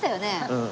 うん。